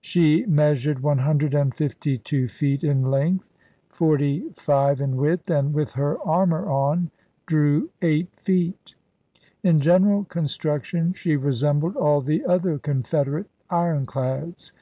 She measured 152 feet in length, p. W 45 in width, and, with her armor on, drew eight feet. In general construction she resembled all the other Confederate ironclads.